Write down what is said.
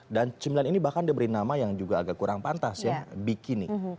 dan cemilan ini bahkan diberi nama yang juga agak kurang pantas ya bikini